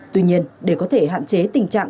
tuy nhiên để có thể hạn chế tình trạng